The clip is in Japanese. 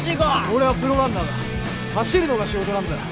俺はプロランナーだ走るのが仕事なんだよ